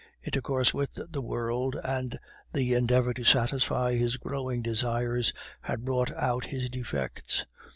Intercourse with the world and the endeavor to satisfy his growing desires had brought out his defects.